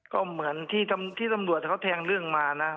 ก็เหมือนที่ตำรวจเขาแทงเรื่องมานะ